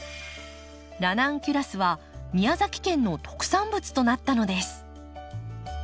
ラナンキュラスは宮崎県の特産物となったのです。